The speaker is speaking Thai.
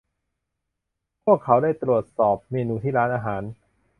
พวกเขาได้ตรวจสอบเมนูที่ร้านอาหาร